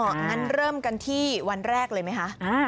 งั้นเริ่มกันที่วันแรกเลยไหมคะ